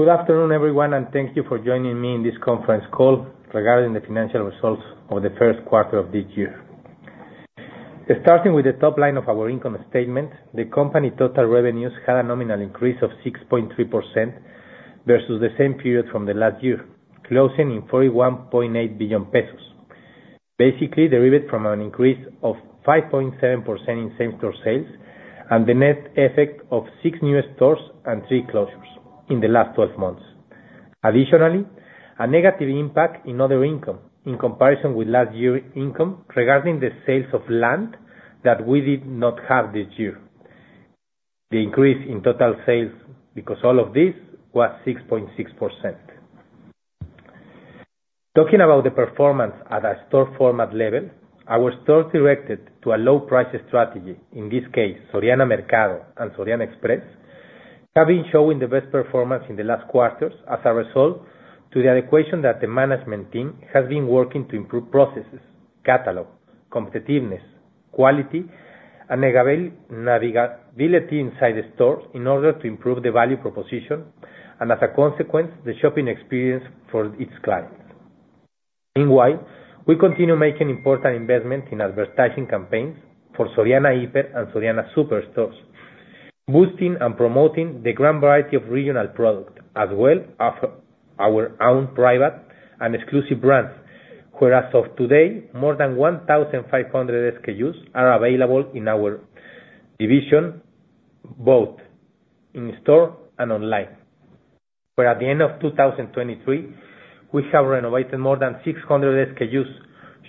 Good afternoon, everyone, and thank you for joining me in this conference call regarding the financial results of the first quarter of this year. Starting with the top line of our income statement, the company total revenues had a nominal increase of 6.3% versus the same period from the last year, closing in 41.8 billion pesos, basically derived from an increase of 5.7% in same-store sales and the net effect of 6 new stores and 3 closures in the last 12 months. Additionally, a negative impact in other income in comparison with last year's income regarding the sales of land that we did not have this year. The increase in total sales, because all of this was 6.6%. Talking about the performance at a store format level, our store directed to a low-price strategy, in this case, Soriana Mercado and Soriana Express, have been showing the best performance in the last quarters as a result to the adequation that the management team has been working to improve processes, catalog, competitiveness, quality, and navigability inside the store in order to improve the value proposition and, as a consequence, the shopping experience for its clients. Meanwhile, we continue making important investments in advertising campaigns for Soriana Híper and Soriana Súper stores, boosting and promoting the grand variety of regional products as well as our own private and exclusive brands, where, as of today, more than 1,500 SKUs are available in our division, both in-store and online. Where at the end of 2023, we have renovated more than 600 SKUs,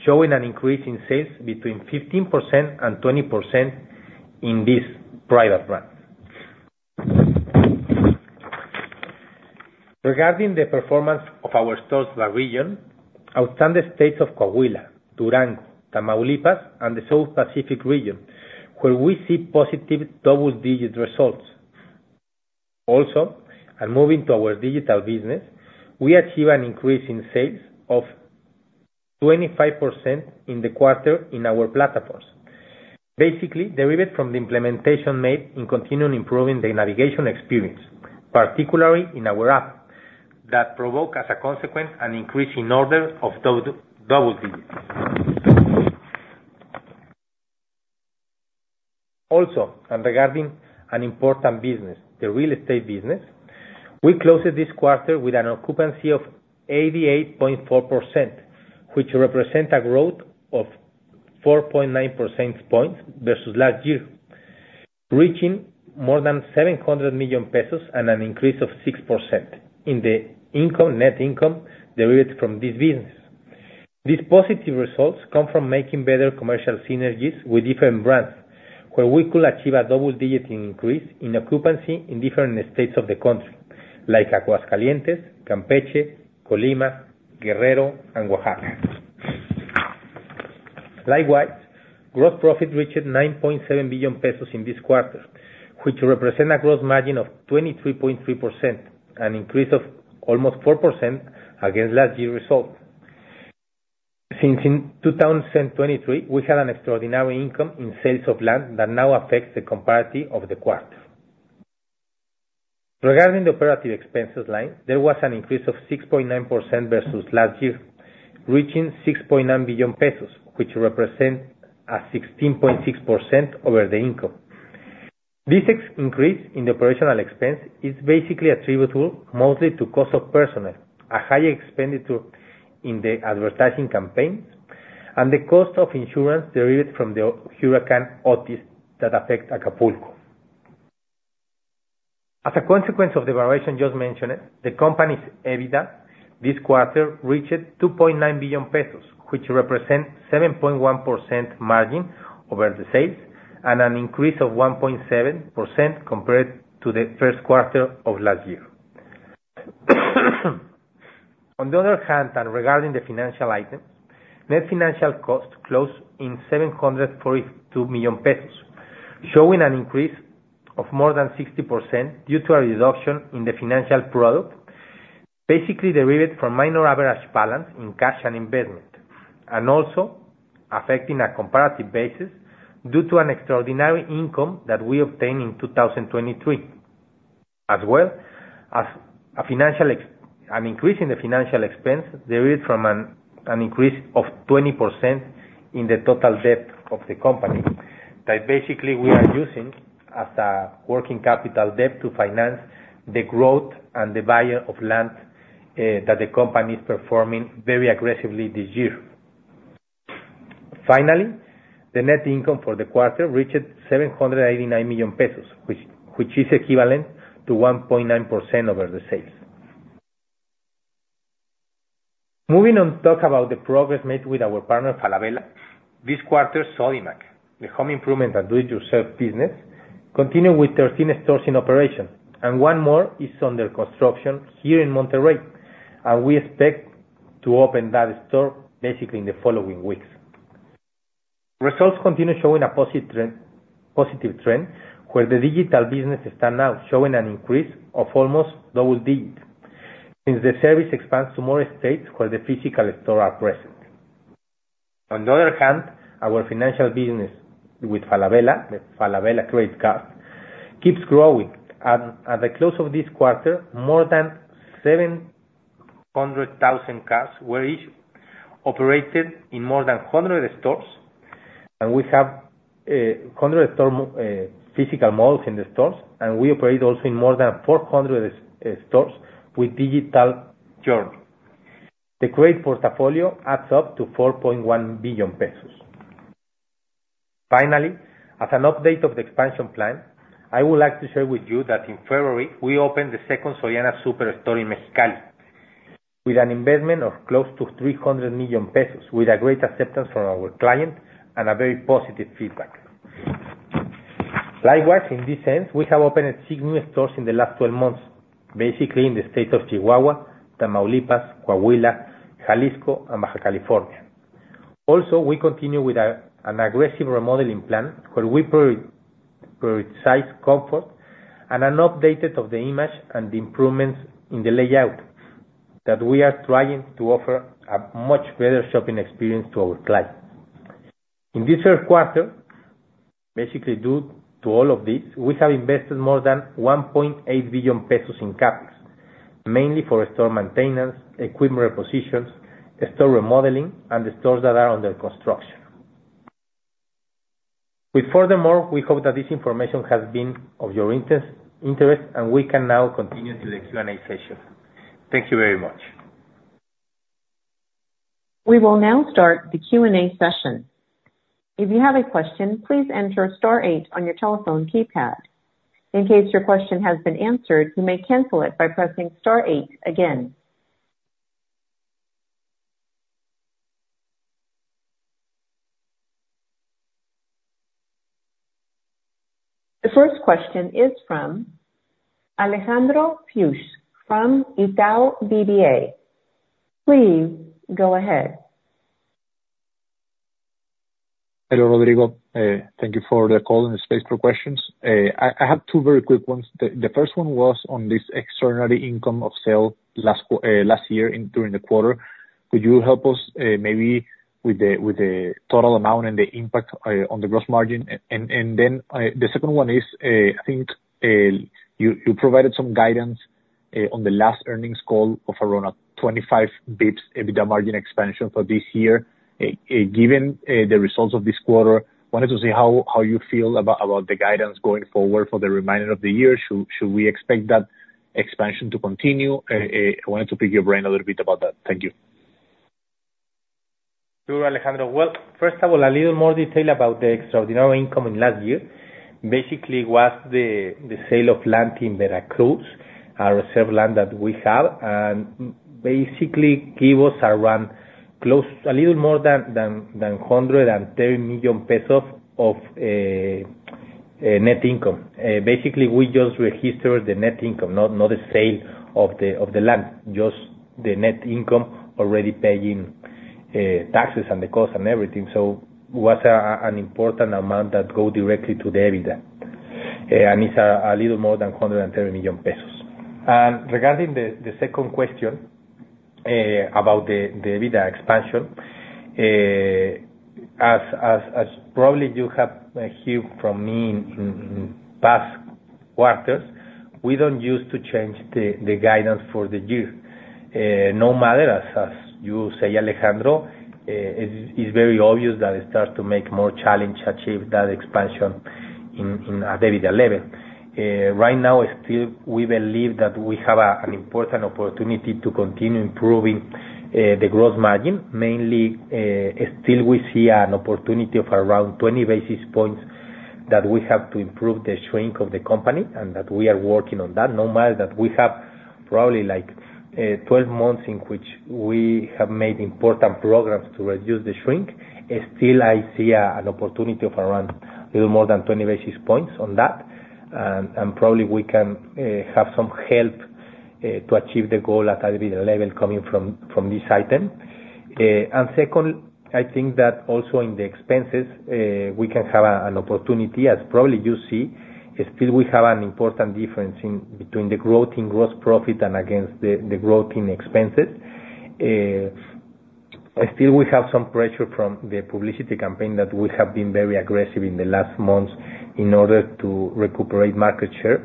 showing an increase in sales between 15%-20% in these private brands. Regarding the performance of our stores by region, outstanding states of Coahuila, Durango, Tamaulipas, and the South Pacific region, where we see positive double-digit results. Also, and moving to our digital business, we achieve an increase in sales of 25% in the quarter in our platforms, basically derived from the implementation made in continuing improving the navigation experience, particularly in our app, that provoke, as a consequence, an increase in order of double digits. Also, and regarding an important business, the real estate business, we closed this quarter with an occupancy of 88.4%, which represents a growth of 4.9 percentage points versus last year, reaching more than 700 million pesos and an increase of 6% in the net income derived from this business. These positive results come from making better commercial synergies with different brands, where we could achieve a double-digit increase in occupancy in different states of the country, like Aguascalientes, Campeche, Colima, Guerrero, and Oaxaca. Likewise, gross profit reached 9.7 billion pesos in this quarter, which represents a gross margin of 23.3%, an increase of almost 4% against last year's result. Since 2023, we had an extraordinary income in sales of land that now affects the comparative of the quarter. Regarding the operative expenses line, there was an increase of 6.9% versus last year, reaching 6.9 billion pesos, which represents a 16.6% over the income. This increase in the operational expense is basically attributable mostly to cost of personnel, a higher expenditure in the advertising campaigns, and the cost of insurance derived from the Hurricane Otis that affects Acapulco. As a consequence of the valuation just mentioned, the company's EBITDA this quarter reached 2.9 billion pesos, which represents a 7.1% margin over the sales and an increase of 1.7% compared to the first quarter of last year. On the other hand, and regarding the financial items, net financial cost closed in 742 million pesos, showing an increase of more than 60% due to a reduction in the financial product, basically derived from minor average balance in cash and investment, and also affecting a comparative basis due to an extraordinary income that we obtained in 2023, as well as an increase in the financial expense derived from an increase of 20% in the total debt of the company that basically we are using as a working capital debt to finance the growth and the buying of land that the company is performing very aggressively this year. Finally, the net income for the quarter reached 789 million pesos, which is equivalent to 1.9% over the sales. Moving on, talk about the progress made with our partner Falabella. This quarter, Sodimac, the home improvement and do-it-yourself business, continued with 13 stores in operation, and one more is under construction here in Monterrey, and we expect to open that store basically in the following weeks. Results continue showing a positive trend, where the digital business stands out, showing an increase of almost double-digit since the service expands to more states where the physical stores are present. On the other hand, our financial business with Falabella, the Falabella Credit Card, keeps growing. At the close of this quarter, more than 700,000 cards were issued, operated in more than 100 stores, and we have 100 physical models in the stores, and we operate also in more than 400 stores with digital journey. The credit portfolio adds up to 4.1 billion pesos. Finally, as an update of the expansion plan, I would like to share with you that in February, we opened the second Soriana Súper store in Mexicali, with an investment of close to 300 million pesos, with great acceptance from our client and very positive feedback. Likewise, in this sense, we have opened 6 new stores in the last 12 months, basically in the states of Chihuahua, Tamaulipas, Coahuila, Jalisco, and Baja California. Also, we continue with an aggressive remodeling plan where we prioritize comfort and an update of the image and the improvements in the layout that we are trying to offer a much better shopping experience to our clients. In this third quarter, basically due to all of this, we have invested more than 1.8 billion pesos in CapEx, mainly for store maintenance, equipment repositions, store remodeling, and the stores that are under construction. Furthermore, we hope that this information has been of your interest, and we can now continue to the Q&A session. Thank you very much. We will now start the Q&A session. If you have a question, please enter star eight on your telephone keypad. In case your question has been answered, you may cancel it by pressing star eight again. The first question is from Alejandro Fuchs from Itaú BBA. Please go ahead. Hello, Rodrigo. Thank you for the call and the space for questions. I have two very quick ones. The first one was on this extraordinary income of sales last year during the quarter. Could you help us maybe with the total amount and the impact on the gross margin? And then the second one is, I think you provided some guidance on the last earnings call of around a 25 basis points EBITDA margin expansion for this year. Given the results of this quarter, I wanted to see how you feel about the guidance going forward for the remainder of the year. Should we expect that expansion to continue? I wanted to pick your brain a little bit about that. Thank you. Sure, Alejandro. Well, first of all, a little more detail about the extraordinary income in last year. Basically, it was the sale of land in Veracruz, our reserve land that we have, and basically gave us around a little more than 130 million pesos of net income. Basically, we just registered the net income, not the sale of the land, just the net income already paying taxes and the costs and everything. So it was an important amount that goes directly to the EBITDA, and it's a little more than 130 million pesos. And regarding the second question about the EBITDA expansion, as probably you have heard from me in past quarters, we don't used to change the guidance for the year. No matter, as you say, Alejandro, it's very obvious that it starts to make more challenge to achieve that expansion at the EBITDA level. Right now, still, we believe that we have an important opportunity to continue improving the gross margin. Mainly, still, we see an opportunity of around 20 basis points that we have to improve the shrink of the company, and that we are working on that. No matter that we have probably 12 months in which we have made important programs to reduce the shrink, still, I see an opportunity of around a little more than 20 basis points on that, and probably we can have some help to achieve the goal at the EBITDA level coming from this item. And second, I think that also in the expenses, we can have an opportunity, as probably you see, still, we have an important difference between the growth in gross profit and against the growth in expenses. Still, we have some pressure from the publicity campaign that we have been very aggressive in the last months in order to recuperate market share.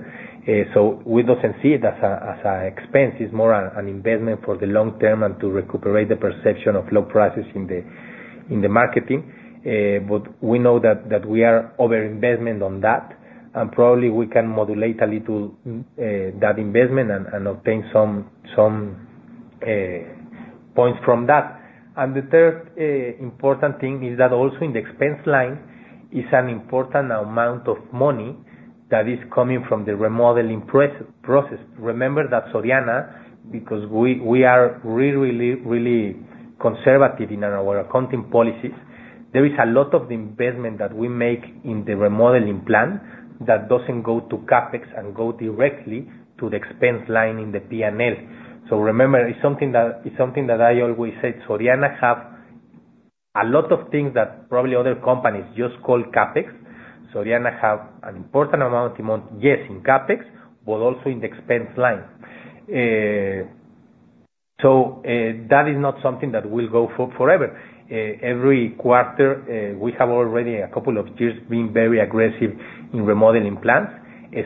So we don't see it as an expense. It's more an investment for the long term and to recuperate the perception of low prices in the marketing. But we know that we are over investment on that, and probably we can modulate a little that investment and obtain some points from that. And the third important thing is that also in the expense line, it's an important amount of money that is coming from the remodeling process. Remember that Soriana, because we are really, really, really conservative in our accounting policies, there is a lot of the investment that we make in the remodeling plan that doesn't go to CapEx and go directly to the expense line in the P&L. So remember, it's something that I always said. Soriana has a lot of things that probably other companies just call CapEx. Soriana has an important amount in, yes, in CapEx, but also in the expense line. So that is not something that will go forever. Every quarter, we have already a couple of years been very aggressive in remodeling plans.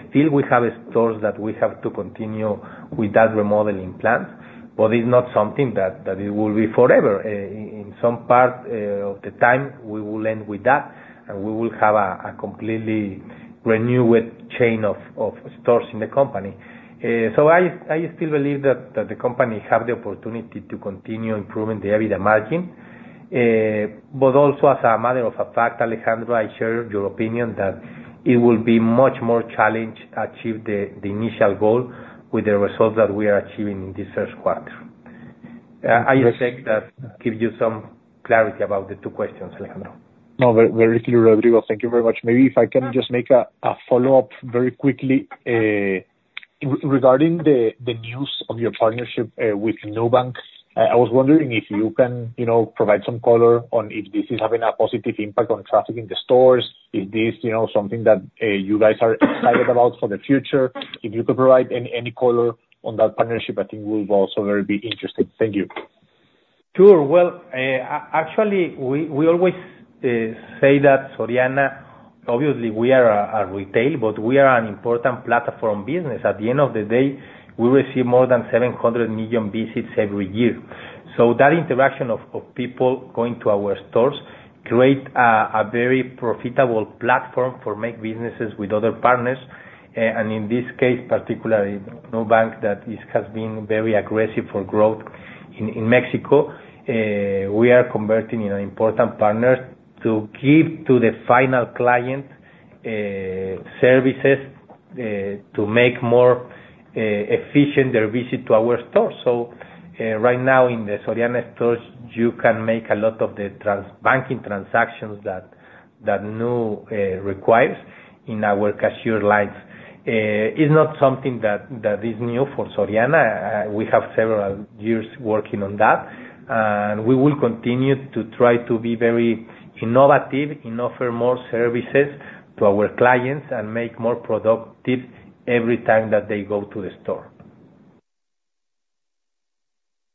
Still, we have stores that we have to continue with that remodeling plan, but it's not something that it will be forever. In some part of the time, we will end with that, and we will have a completely renewed chain of stores in the company. So I still believe that the company has the opportunity to continue improving the EBITDA margin. But also, as a matter of fact, Alejandro, I share your opinion that it will be much more challenge to achieve the initial goal with the results that we are achieving in this first quarter. I expect that gives you some clarity about the two questions, Alejandro. No, very clear, Rodrigo. Thank you very much. Maybe if I can just make a follow-up very quickly regarding the news of your partnership with Nubank. I was wondering if you can provide some color on if this is having a positive impact on traffic in the stores? Is this something that you guys are excited about for the future? If you could provide any color on that partnership, I think we would also very be interested. Thank you. Sure. Well, actually, we always say that Soriana, obviously, we are a retail, but we are an important platform business. At the end of the day, we receive more than 700 million visits every year. So that interaction of people going to our stores creates a very profitable platform for making businesses with other partners. And in this case, particularly Nubank, that has been very aggressive for growth in Mexico, we are converting in an important partner to give to the final client services to make more efficient their visit to our stores. So right now, in the Soriana stores, you can make a lot of the banking transactions that Nubank requires in our cashier lines. It's not something that is new for Soriana. We have several years working on that, and we will continue to try to be very innovative in offering more services to our clients and make more productive every time that they go to the store.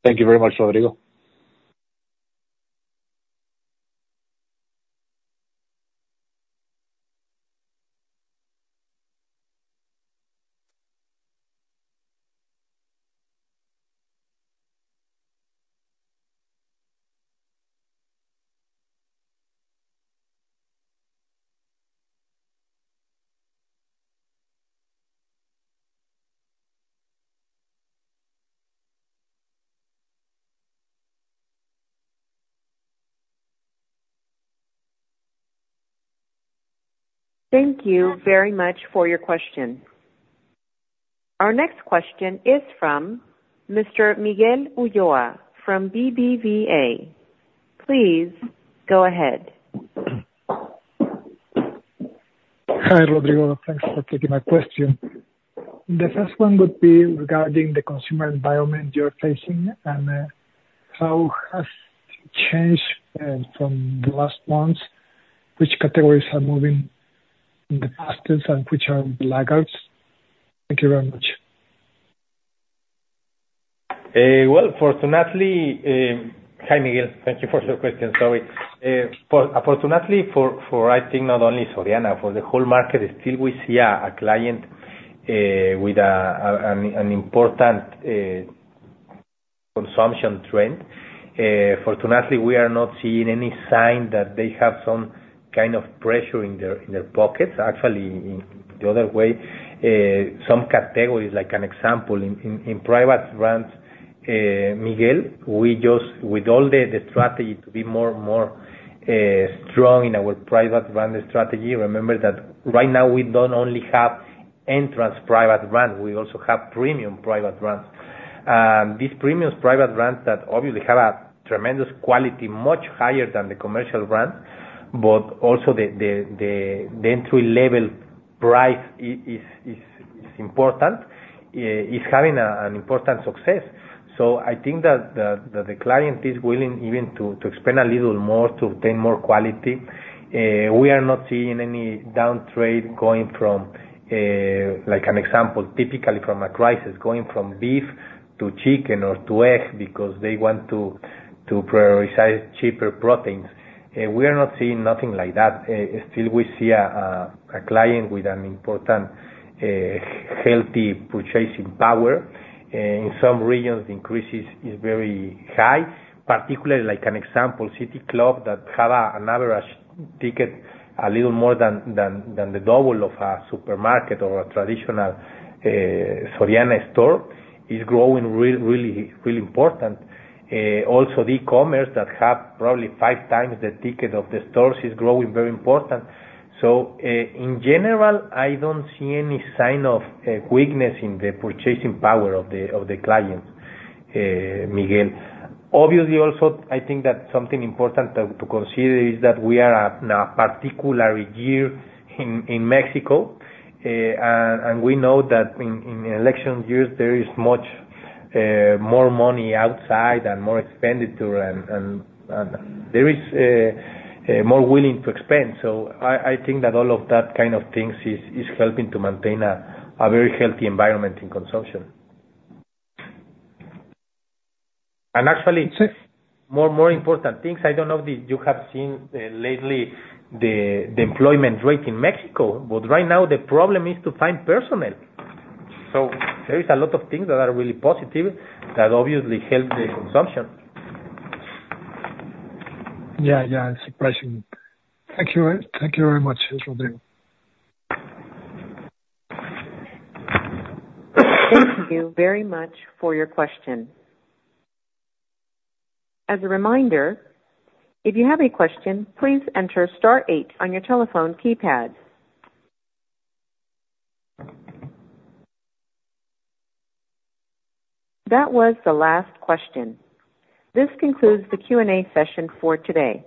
Thank you very much, Rodrigo. Thank you very much for your question. Our next question is from Mr. Miguel Ulloa from BBVA. Please go ahead. Hi, Rodrigo. Thanks for taking my question. The first one would be regarding the consumer environment you're facing and how it has changed from the last months, which categories are moving fastest and which are laggards? Thank you very much. Well, fortunately. Hi, Miguel. Thank you for your question. Sorry. Fortunately, I think not only Soriana, for the whole market, still, we see a client with an important consumption trend. Fortunately, we are not seeing any sign that they have some kind of pressure in their pockets. Actually, the other way, some categories, like an example, in private brands, Miguel, with all the strategy to be more strong in our private brand strategy, remember that right now, we don't only have entry private brands. We also have premium private brands. And these premium private brands that obviously have a tremendous quality, much higher than the commercial brands, but also the entry-level price is important, is having an important success. So I think that the client is willing even to expend a little more to obtain more quality. We are not seeing any downtrade going from, like an example, typically from a crisis, going from beef to chicken or to egg because they want to prioritize cheaper proteins. We are not seeing nothing like that. Still, we see a client with an important healthy purchasing power. In some regions, the increase is very high, particularly, like an example, City Club that has an average ticket a little more than the double of a supermarket or a traditional Soriana store is growing really, really important. Also, e-commerce that has probably five times the ticket of the stores is growing very important. So in general, I don't see any sign of weakness in the purchasing power of the client, Miguel. Obviously, also, I think that something important to consider is that we are in a particular year in Mexico, and we know that in election years, there is much more money outside and more expenditure, and there is more willing to spend. So I think that all of that kind of things is helping to maintain a very healthy environment in consumption. And actually, more important things, I don't know if you have seen lately the employment rate in Mexico, but right now, the problem is to find personnel. So there is a lot of things that are really positive that obviously help the consumption. Yeah, yeah. It's impressive. Thank you very much, Rodrigo. Thank you very much for your question. As a reminder, if you have a question, please enter star eight on your telephone keypad. That was the last question. This concludes the Q&A session for today.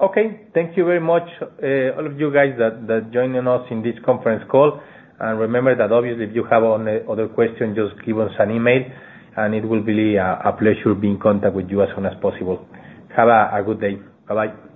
Okay. Thank you very much, all of you guys, that joined us in this conference call. Remember that obviously, if you have other questions, just give us an email, and it will be a pleasure being in contact with you as soon as possible. Have a good day. Bye-bye.